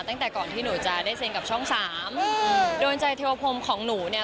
ตั้งแต่ก่อนที่หนูจะได้เซ็นกับช่องสามโดนใจเทวพรมของหนูเนี่ย